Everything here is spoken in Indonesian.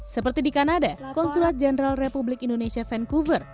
seperti di kanada konsulat jenderal republik indonesia vancouver